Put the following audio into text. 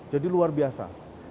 jadi luar biasa